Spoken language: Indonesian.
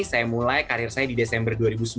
saya mulai karir saya di desember dua ribu sembilan